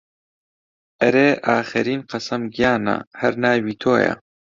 ئەرێ ئاخەرین قەسەم گیانە هەر ناوی تۆیە